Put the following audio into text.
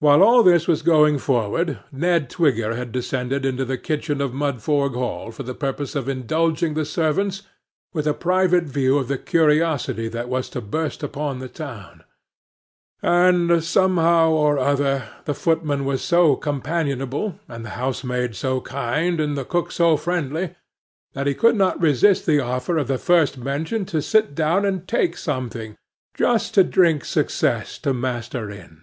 While all this was going forward, Ned Twigger had descended into the kitchen of Mudfog Hall for the purpose of indulging the servants with a private view of the curiosity that was to burst upon the town; and, somehow or other, the footman was so companionable, and the housemaid so kind, and the cook so friendly, that he could not resist the offer of the first mentioned to sit down and take something—just to drink success to master in.